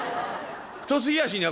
太すぎやしねえ？